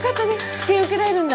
治験受けられるんだ？